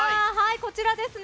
こちらですね。